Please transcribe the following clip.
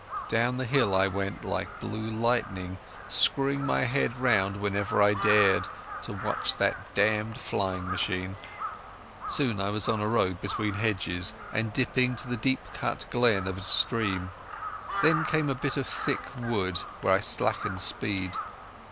Down the hill I went like blue lightning, screwing my head round, whenever I dared, to watch that damned flying machine. Soon I was on a road between hedges, and dipping to the deep cut glen of a stream. Then came a bit of thick wood where I slackened speed.